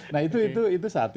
nah itu satu